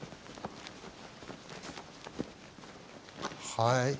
はい。